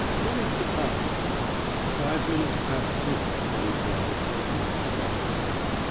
What is the time?" "Five minutes past two," I replied, looking at my watch.